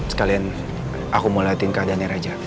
sekalian aku mau liatin keadaannya raja